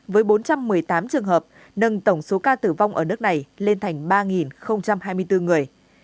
với bốn trăm một mươi tám trường hợp nâng tổng số ca tử vong ở nước này lên thành ba hai mươi bốn người